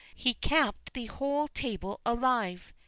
He kept the whole table alive.